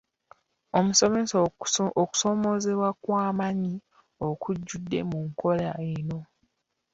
Omusomesa, okusoomoozebwa kwa maanyi okujjudde mu nkola eno.